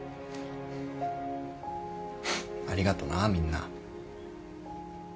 ありがとなみんな。